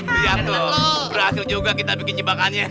lihat tuh berhasil juga kita bikin jebakannya